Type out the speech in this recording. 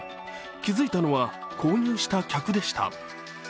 気づいたのは購入した客でした。